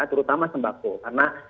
terutama sembako karena